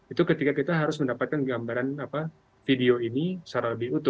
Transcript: itu ketika kita harus mendapatkan gambaran video ini secara lebih utuh